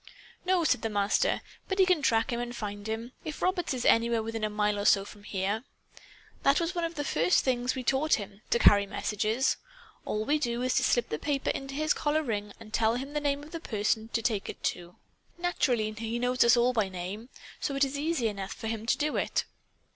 "No," said the Master. "But he can track him and find him, if Roberts is anywhere within a mile or so from here. That was one of the first things we taught him to carry messages. All we do is to slip the paper into his collar ring and tell him the name of the person to take it to. Naturally, he knows us all by name. So it is easy enough for him to do it.